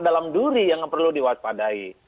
dalam duri yang perlu diwaspadai